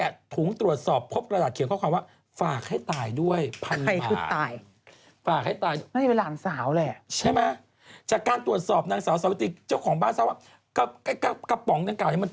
เออเออเออไปทำอะไรมาเพิ่มอีกแล้ว